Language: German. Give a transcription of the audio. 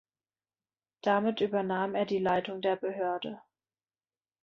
Damit übernahm er die Leitung der Behörde.